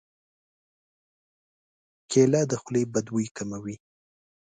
کېله د خولې بد بوی کموي.